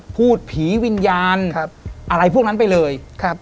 พูดผีวิญญาณอะไรพวกนั้นไปเลยครับ